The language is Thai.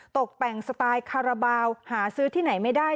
ตกแต่งสไตล์คาราบาลหาซื้อที่ไหนไม่ได้